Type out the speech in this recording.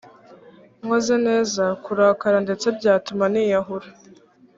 nkoze neza kurakara ndetse byatuma niyahura